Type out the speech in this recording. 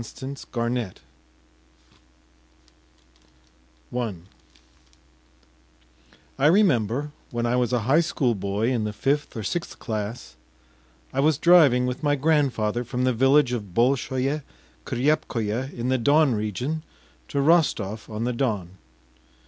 THE BEAUTIES I I REMEMBER, when I was a high school boy in the fifth or sixth class, I was driving with my grandfather from the village of Bolshoe Kryepkoe in the Don region to Rostov on the Don.